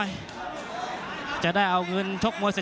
โอ้โหโดนเขาก็ไปตามนั้นเลยนะ